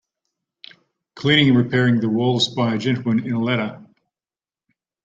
Cleaning repairing the walls by a gentleman in a ladder.